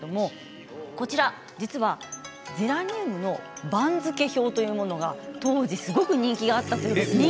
こちら、実はゼラニウムの番付表というもの当時すごく人気があったということなんです。